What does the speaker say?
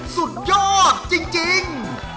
สุดยอดจริง